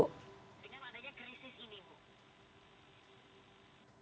dengan adanya krisis ini bu